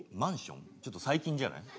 ちょっと最近じゃない？